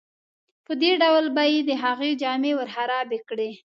په دې ډول به یې د هغه جامې ورخرابې کړې.